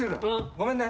ごめんね。